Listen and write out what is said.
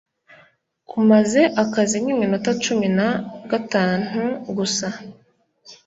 umaze akazi nkiminota cumi na gatantu gusa